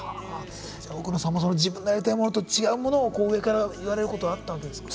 奥野さんも自分のやりたいものと違うものを上から言われることはあったわけですか？